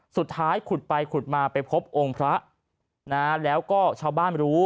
สุดท้ายขุดไปขุดมาไปพบองค์พระนะฮะแล้วก็ชาวบ้านรู้